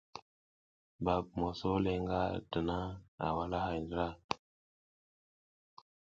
Bagum a sole nga dana a walahay ndra,